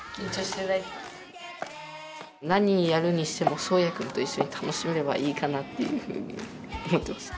何やるにしてもそうやくんと一緒に楽しめればいいかなっていうふうに思ってました。